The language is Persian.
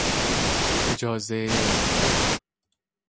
اجازهی رفتن